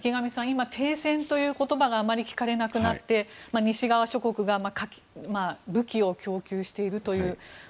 今、停戦という言葉があまり聞かれなくなって西側諸国が武器を供給しているという。